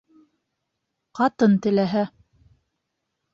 Ҡатын теләһә